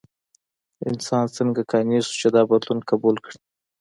انسان څنګه قانع شو چې دا بدلون قبول کړي؟